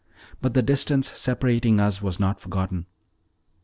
But the distance separating us was not forgotten.